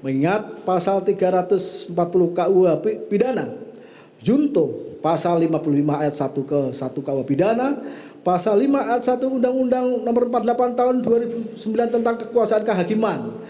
mengingat pasal tiga ratus empat puluh kuhp pidana junto pasal lima puluh lima ayat satu ke satu kuh pidana pasal lima ayat satu undang undang no empat puluh delapan tahun dua ribu sembilan tentang kekuasaan kehakiman